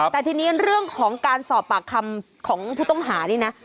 แต่ทีนี้เรื่องของการสอบปากคำของผู้ต้องหานี่นะ